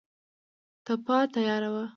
تپه تیاره وه.